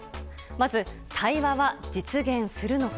まず、対話は実現するのか。